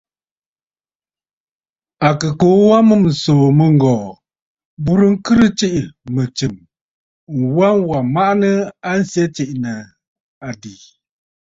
À kɨ kuu wa a mûm ǹsòò mɨ̂ŋgɔ̀ɔ̀ m̀burə ŋkhɨrə tsiʼì mɨ̀tsɨm, ŋwa wà maʼanə a nsyɛ tiʼì nɨ àdì.